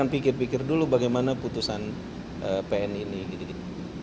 pikir dulu bagaimana putusan pni ini